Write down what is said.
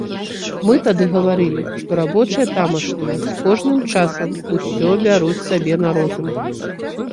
Мы тады гаварылі, што рабочыя тамашнія з кожным часам усё бяруць сабе на розум.